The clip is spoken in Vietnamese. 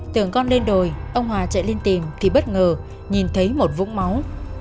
tưởng con lên đồi ông hòa chạy lên tìm thì bất ngờ nhìn thấy một vũng máu